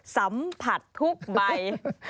สัมผัสทุกใบ